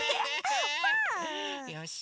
よし！